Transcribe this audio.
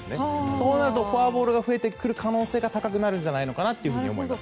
そうなるとフォアボールが増えてくる可能性が高くなるんじゃないかと思います。